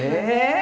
え！